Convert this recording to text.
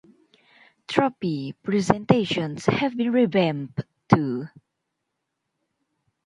Trophy presentations have been revamped too.